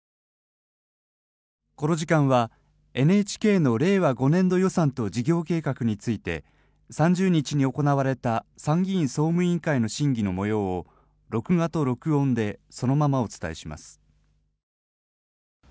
この時間は、ＮＨＫの令和５年度予算と事業計画について、３０日に行われた参議院総務委員会の審議の模様を、録画と録音でそのままお伝えします。